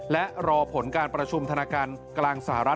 และรอผลการประชุมธนาคารกลางสหรัฐ